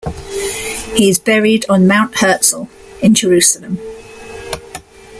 He is buried on Mount Herzl in Jerusalem.